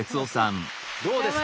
どうですか？